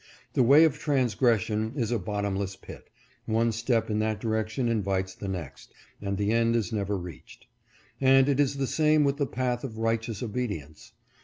The way of transgression is a bottomless pit, one step in that direction invites the next, and the end is never reached ; and it is the same with the path of righteous obedience.